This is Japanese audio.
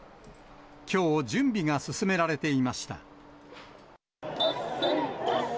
きょう、準備が進められていました。